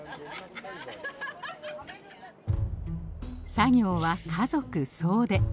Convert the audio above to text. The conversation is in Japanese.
作業は家族総出。